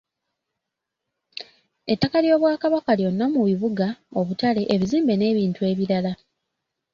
Ettaka ly'Obwakabaka lyonna mu bibuga, obutale , ebizimbe n'ebintu ebirala.